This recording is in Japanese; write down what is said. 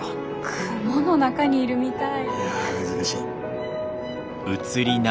雲の中にいるみたい！